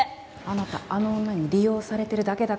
あなたあの女に利用されてるだけだから。